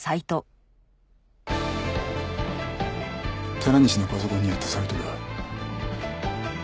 寺西のパソコンにあったサイトだ。